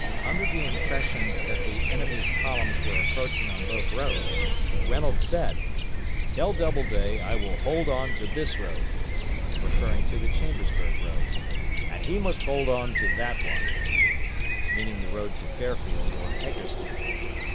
Under the impression that the enemy's columns were approaching on both roads, Reynolds said, "Tell Doubleday I will hold on to this road," referring to the Chambersburg road, "and he must hold on to that one;" meaning the road to Fairfield or Hagerstown.